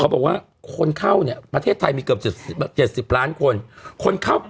อืมอืมอืมอืมอืมอืม